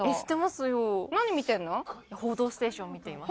『報道ステーション』を見ています。